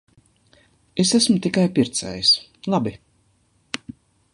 Es esmu tikai pircējs. Labi.